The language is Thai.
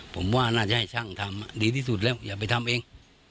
ผมว่าน่าจะให้ช่างทำดีที่สุดแล้วอย่าไปทำเอง